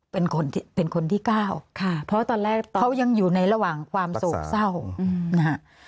เป็นคนเป็นคนที่เก้าค่ะเพราะตอนแรกเขายังอยู่ในระหว่างความโศกเศร้านะฮะ